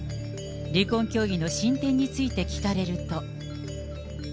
離婚協議の進展について聞かれると。